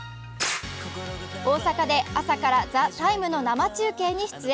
大阪で朝から「ＴＨＥＴＩＭＥ，」の生中継に出演。